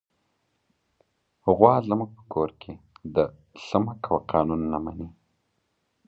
غوا زموږ په کور کې د "څه مه کوه" قانون نه مني.